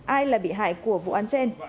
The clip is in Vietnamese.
ai là bị hại của vụ án trên